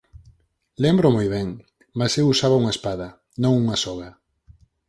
Lémbroo moi ben! Mais eu usaba unha espada, non unha soga.